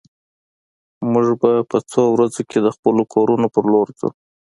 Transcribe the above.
موږ به په څو ورځو کې د خپلو کورونو په لور ځو